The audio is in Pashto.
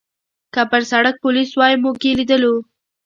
که پر سړک پولیس وای، موږ یې لیدلو.